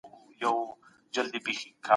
د اسلام دين د ورورولۍ او ميني پيغام دی.